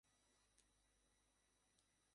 আমি মনে করি, একটাই পৃথিবী হওয়া উচিত।